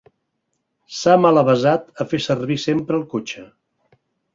S'ha malavesat a fer servir sempre el cotxe.